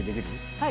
はい。